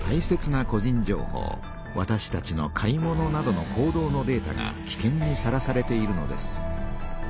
わたしたちの買い物などの行動のデータがきけんにさらされているのです。